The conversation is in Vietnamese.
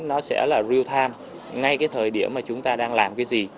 nó sẽ là real time ngay cái thời điểm mà chúng ta đang làm cái gì